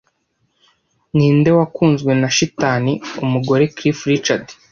Ninde wakunzwe na Shitani Umugore Cliff Richard